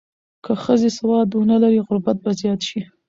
که ښځې سواد ونه لري، غربت به زیات شي.